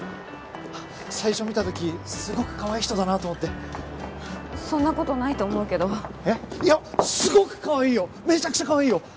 最初見たときすごくかわいい人だなぁと思ってそんなことないと思うけどえっいやめちゃくちゃかわいいよ！